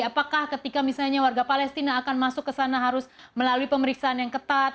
apakah ketika misalnya warga palestina akan masuk ke sana harus melalui pemeriksaan yang ketat